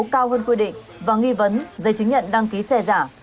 cao hơn quy định và nghi vấn giấy chứng nhận đăng ký xe giả